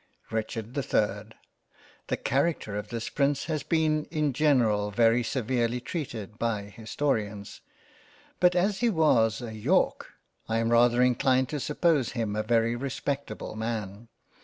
RICHARD the 3rd THE Character of this Prince has been in general very severely treated by Historians, but as he was a York, I am rather inclined to suppose him a very respectable Man.